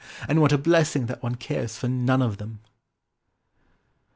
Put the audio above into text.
And what a blessing that one cares for none of them!"